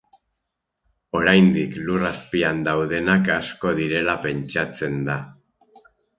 Oraindik lur azpian daudenak asko direla pentsatzen da.